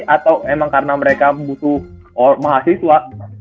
atau memang karena mereka butuh mahasiswa